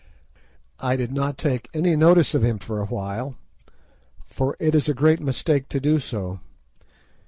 I did not take any notice of him for a while, for it is a great mistake to do so.